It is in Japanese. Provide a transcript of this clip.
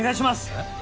えっ？